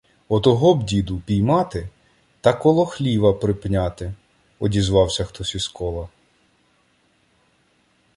— Отого б, діду, упіймати та коло хліва припняти! — одізвався хтось із кола.